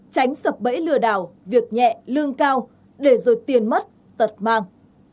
tránh sập bẫy lừa đảo việc nhẹ lương cao để rồi tiền mất tật mang